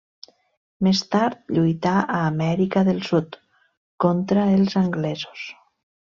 Més tard lluità a Amèrica del Sud contra els anglesos.